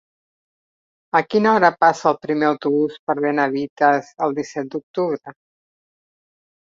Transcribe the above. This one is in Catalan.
A quina hora passa el primer autobús per Benavites el disset d'octubre?